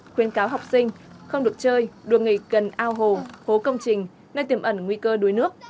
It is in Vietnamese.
khuyên cáo học sinh không được chơi đùa nghịch cần ao hồ hố công trình nơi tiềm ẩn nguy cơ đuối nước